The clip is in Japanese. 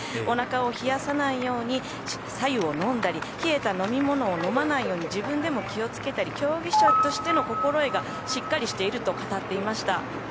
おなかを冷やさないように白湯を飲んだり冷えた飲み物を飲まないように自分でも気を付けたり競技者としての心得がしっかりしていると語っていました。